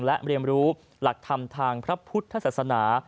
และเรียนรู้หลักธรรมทางพระพุทธศาสนา